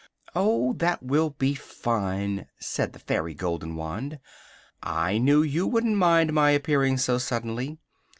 "Oh, that will be fine!" said the Fairy Goldenwand. "I knew you would n't mind my appearing so suddenly.